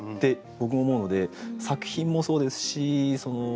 僕も思うので作品もそうですしいろいろ